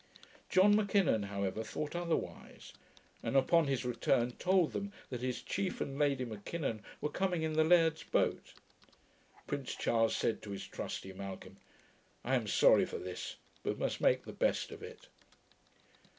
John M'Kinnon, however, thought otherwise; and upon his return told them, that his chief and Lady M'Kinnon were coming in the laird's boat. Prince Charles said to his trusty Malcolm. 'I am sorry for this, but must make the best of it.'